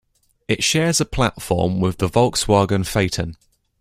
It shares a platform with the Volkswagen Phaeton.